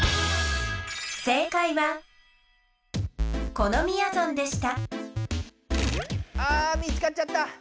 このみやぞんでしたあ見つかっちゃった！